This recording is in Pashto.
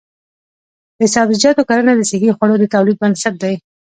د سبزیجاتو کرنه د صحي خوړو د تولید بنسټ دی.